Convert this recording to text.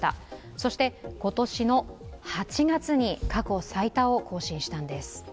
そして今年の８月に過去最多を更新したんです。